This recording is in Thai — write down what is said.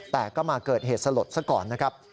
แต่ก็มาเกิดเหตุสลดซะก่อนนะครับ